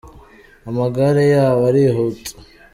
Amagare yabo arihuta.